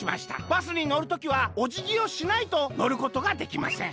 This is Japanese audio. バスにのる時はおじぎをしないとのることができません」。